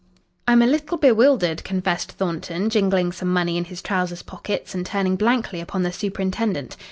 "I'm a little bewildered," confessed Thornton, jingling some money in his trousers pockets and turning blankly upon the superintendent.